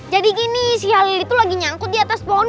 gini si halil itu lagi nyangkut di atas pohon